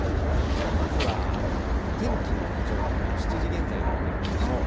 まずは天気の状況、７時現在で見てみましょう。